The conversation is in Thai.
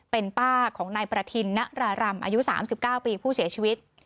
เป็นป้าของนายประทินณรารำอายุ๓๙ปีผู้เสียชีวิต